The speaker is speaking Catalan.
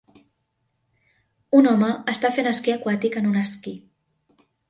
Un home està fent esquí aquàtic en un esquí.